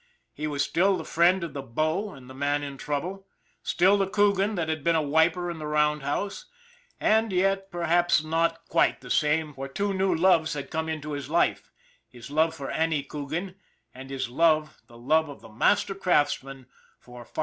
He was still the friend of the 'bo and the man in trouble, still the Coogan that had been a wiper in the roundhouse; and yet, perhaps, not i6o ON THE IRON AT BIG CLOUD quite the same, for two new loves had come into his life his love for Annie Coogan, and his love, the love of the master craftsman, for 505.